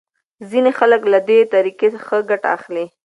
ځینې خلک له دې طریقې ښه ګټه اخلي.